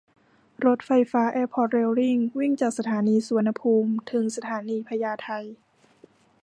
รถไฟฟ้าแอร์พอร์ตเรลลิงก์วิ่งจากสถานีสุวรรณภูมิถึงสถานีพญาไท